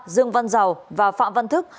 dương văn giàu và phạm văn thức